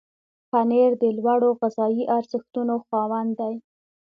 پنېر د لوړو غذایي ارزښتونو خاوند دی.